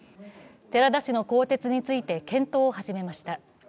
寺田氏の更迭について検討を始めました。